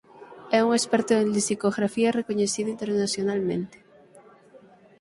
É un experto en lexicografía recoñecido internacionalmente.